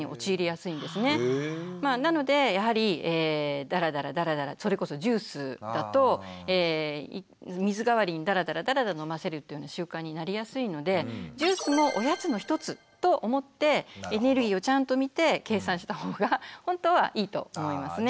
なのでやはりだらだらだらだらそれこそジュースだと水代わりにだらだらだらだら飲ませるっていうような習慣になりやすいのでジュースもおやつのひとつと思ってエネルギーをちゃんと見て計算した方が本当はいいと思いますね。